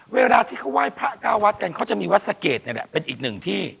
เวลาที่เขาไหว้พระเก้าวัดกันเขาจะมีวัดสะเกดนี่แหละเป็นอีกหนึ่งที่